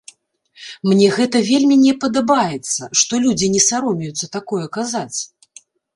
Мне гэта вельмі не падабаецца, што людзі не саромеюцца такое казаць.